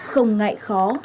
không ngại khó